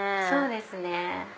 そうですね。